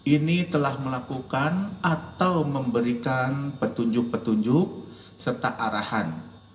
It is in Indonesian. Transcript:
ini telah melakukan atau memberikan petunjuk petunjuk serta arahan